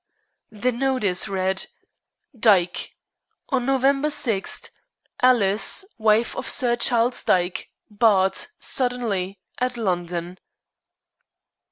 The notice read: "DYKE. On November 6, Alice, wife of Sir Charles Dyke, Bart., suddenly, at London."